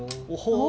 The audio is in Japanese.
お。